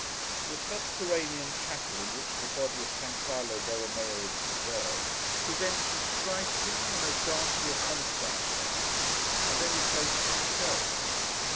The subterranean chapel in which the body of San Carlo Borromeo is preserved, presents as striking and as ghastly a contrast, perhaps, as any place can show.